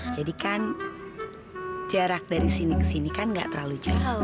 jadi kan jarak dari sini ke sini kan nggak terlalu jauh